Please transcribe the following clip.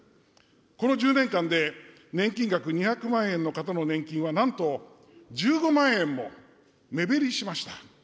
この１０年間で、年金額２００万円の方の年金はなんと１５万円も目減りしました。